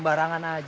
kalau sama pace